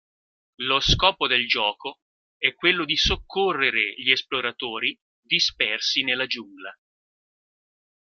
Lo scopo del gioco è quello di soccorrere gli esploratori dispersi nella giungla.